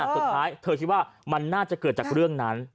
สุดท้ายเธอคิดว่ามันน่าจะเกิดจากเรื่องนั้น